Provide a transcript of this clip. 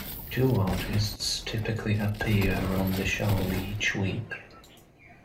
Two artists typically appear on the show each week.